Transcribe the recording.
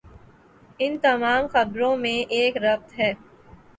ان تمام خبروں میں ایک ربط ہے۔